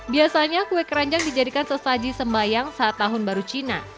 biasanya kue keranjang dijadikan sesaji sembayang saat tahun baru cina